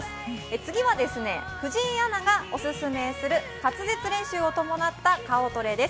次は藤井アナがおすすめする滑舌練習を伴った顔トレです。